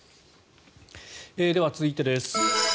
では続いてです。